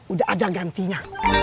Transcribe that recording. udah ada gantinya